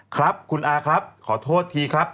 ครับคุณอาครับขอโทษทีครับ